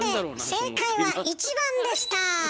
正解は１番でした！